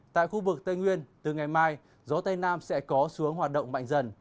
tại khu vực tây nguyên từ ngày mai gió tây nam sẽ có xuống hoạt động mạnh dần